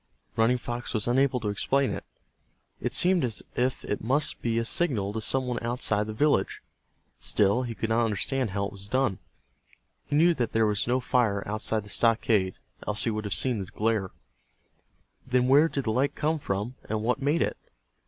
Running Fox was unable to explain it. It seemed as if it must be a signal to some one outside of the village. Still he could not understand how it was done. He knew that there was no fire outside of the stockade, else he would have seen the glare. Then where did the light come from, and what made it?